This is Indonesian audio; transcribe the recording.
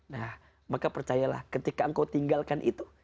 nah maka percayalah ketika engkau tinggalkan itu